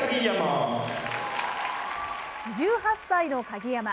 １８歳の鍵山。